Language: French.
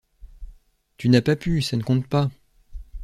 Tu n’as pas pu, ça ne compte pas...